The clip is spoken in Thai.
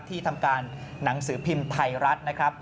ที่ทำการหนังสือพิมพ์ไทยรัฐนะครับ